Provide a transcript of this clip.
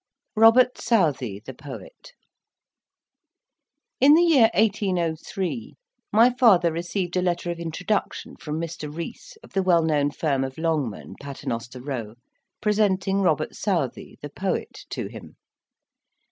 ROBERT SOUTHEY, THE POET In the year 1803, my father received a letter of introduction from Mr. Rees, of the well known firm of Longman, Paternoster Row, presenting Robert Southey, the poet, to him.